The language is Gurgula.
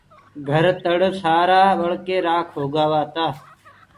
گھر تَڙ سآرآ ٻݪ ڪي رآکِ هوگآ تآ۔